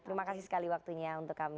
terima kasih sekali waktunya untuk kami